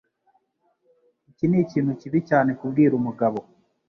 Iki nikintu kibi cyane kubwira umugabo.